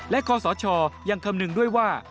และของสัญชาติโชษจะยังคำนึงด้วยว่า